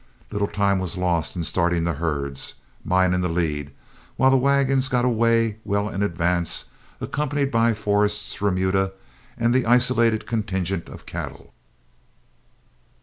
Little time was lost in starting the herds, mine in the lead, while the wagons got away well in advance, accompanied by Forrest's remuda and the isolated contingent of cattle.